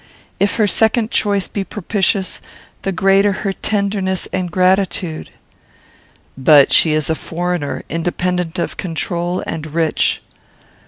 If her second choice be propitious, the greater her tenderness and gratitude." "But she is a foreigner; independent of control, and rich."